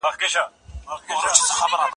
خپلو ماڼيو ته زموږ د ويني رنګ جوړوي